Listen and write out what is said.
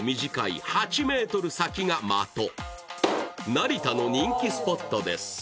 成田の人気スポットです。